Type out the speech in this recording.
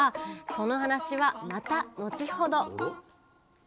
その話はまた後ほど。